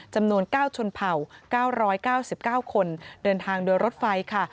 จำนวน๙ชนเผ่า๙๙๙คนเดินทางโดยรถไฟค่ะ